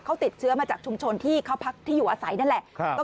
เขาติดเชื้อมาจากชุมชนที่เขาพักที่อยู่อาศัยนั่นแหละ